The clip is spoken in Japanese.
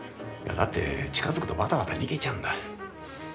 だって近づくとバタバタ逃げちゃうんだ。